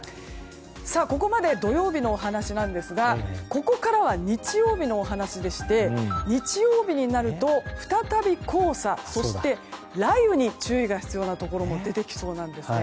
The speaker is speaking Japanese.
ここまで土曜日のお話なんですがここからは日曜日のお話で日曜日になると、再び黄砂雷雨に注意が必要なところも出てきそうなんですね。